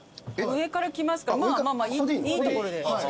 上から来ますからいいところで。